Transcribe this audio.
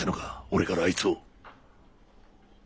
俺からあいつを。